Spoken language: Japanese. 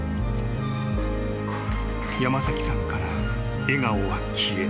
［山崎さんから笑顔は消え］